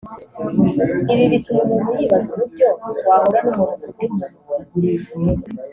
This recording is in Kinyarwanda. Ibi bituma umuntu yibaza uburyo wahura n’umuntu ku bw’impanuka